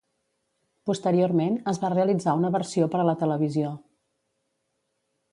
Posteriorment, es va realitzar una versió per a la televisió.